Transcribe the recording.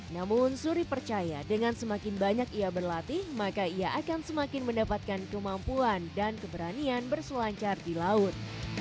namun suri percaya dengan semakin banyak ia berlatih maka ia akan semakin mendapatkan kemampuan dan keberanian berselancar di laut